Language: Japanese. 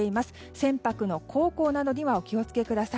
船舶の航行などにはお気を付けください。